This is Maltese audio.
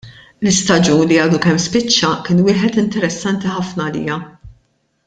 L-istaġun li għadu kemm spiċċa kien wieħed interessanti ħafna għalija.